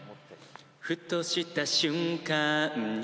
「ふとした瞬間に」